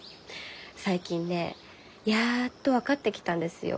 最近ねやっと分かってきたんですよ。